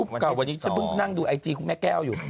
เก่าวันนี้ฉันเพิ่งนั่งดูไอจีคุณแม่แก้วอยู่